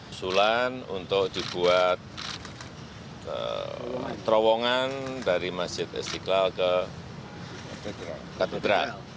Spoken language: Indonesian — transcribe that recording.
usulan untuk dibuat terowongan dari masjid istiqlal ke katedral